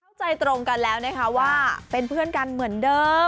เข้าใจตรงกันแล้วนะคะว่าเป็นเพื่อนกันเหมือนเดิม